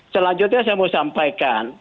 selanjutnya saya mau sampaikan